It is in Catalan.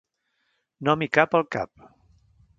No m'hi cap al cap.